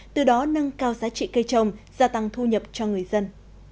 từ đó nâng cao giá trị cây trồng gia tăng thu nhập cho người dân